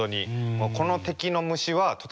もうこの敵の虫はとても数が多くて